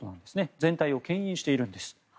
全体をけん引しているんです。